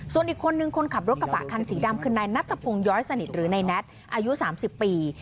ส่วนอีกคนนึงคนขับรถกระบะคันสีดำคือในนัททะพงย้อยสนิทหรือในนัทอายุสามสิบปี